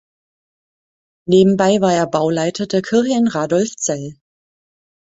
Nebenbei war er Bauleiter der Kirche in Radolfzell.